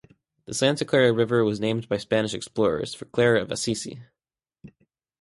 The Santa Clara River was named by Spanish explorers for Claire of Assisi.